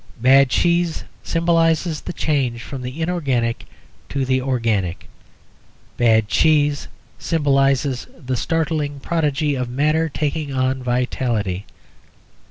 Bad cheese symbolises the change from the inorganic to the organic. Bad cheese symbolises the startling prodigy of matter taking on vitality.